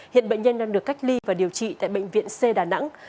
hiện bệnh nhân đang được cách ly và điều trị tại bệnh viện c đà nẵng